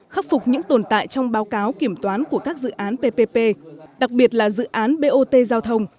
khắc phục những tồn tại trong báo cáo kiểm toán của các dự án ppp đặc biệt là dự án bot giao thông